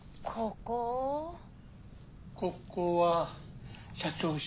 ここは社長室。